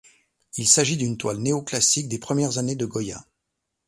Il s’agit d’une toile néoclassique des premières années de Goya.